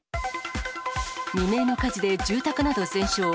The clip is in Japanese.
未明の火事で住宅など全焼。